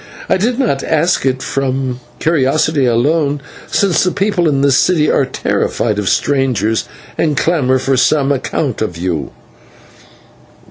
I did not ask it from curiosity alone, since the people in this city are terrified of strangers, and clamour for some account of you."